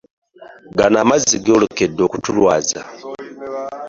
Gano amazzi goolekedde okutulwaza.